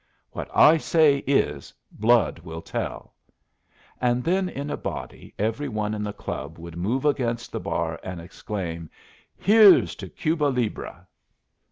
What I say is, 'Blood will tell!'" And then in a body every one in the club would move against the bar and exclaim: "Here's to Cuba libre!"